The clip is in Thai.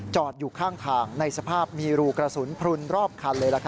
อยู่ข้างทางในสภาพมีรูกระสุนพลุนรอบคันเลย